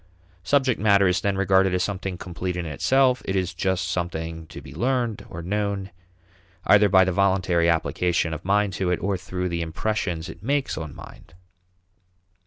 Subject matter is then regarded as something complete in itself; it is just something to be learned or known, either by the voluntary application of mind to it or through the impressions it makes on mind.